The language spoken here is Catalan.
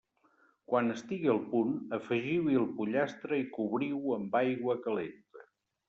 Quan estigui al punt, afegiu-hi el pollastre i cobriu-ho amb aigua calenta.